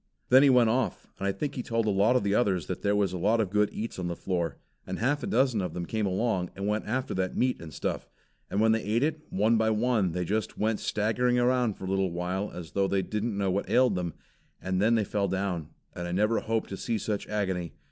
Then he went off, and I think he told a lot of the others that there was a lot of good eats on the floor, and half a dozen of them came along, and went after that meat and stuff. And when they ate it, one by one they just went staggering around for a little as though they didn't know what ailed them, and then they fell down, and I never hope to see such agony.